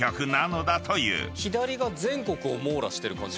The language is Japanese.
左が全国を網羅してる感じ。